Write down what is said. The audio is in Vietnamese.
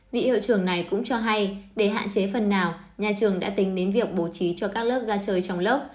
vị hiệu trưởng này cũng cho hay để hạn chế phần nào nhà trường đã tính đến việc bố trí cho các lớp ra chơi trong lớp